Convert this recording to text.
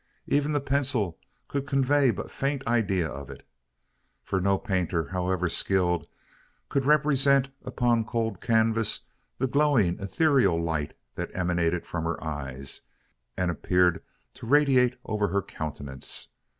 Even the pencil could convey but a faint idea of it: for no painter, however skilled, could represent upon cold canvas the glowing ethereal light that emanated from her eyes, and appeared to radiate over her countenance.